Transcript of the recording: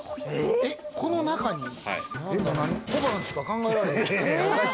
この中に小判しか考えられへん。